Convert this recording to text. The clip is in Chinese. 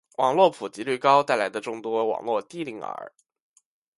网络普及率高带来的众多网络低龄儿